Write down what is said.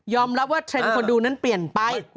รับว่าเทรนด์คนดูนั้นเปลี่ยนไป